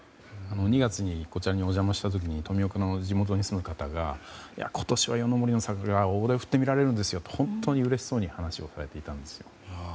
２月にこちらにお邪魔したときに地元に住む方が今年は夜の森の桜を大手を振って見られるんですよと嬉しそうに話していたんですよ。